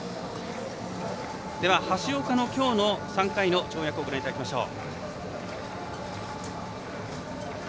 では橋岡のきょうの３回の跳躍をご覧頂きましょう。